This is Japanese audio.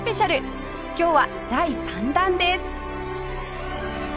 今日は第３弾です